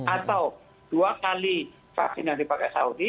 atau dua kali vaksin yang dipakai saudi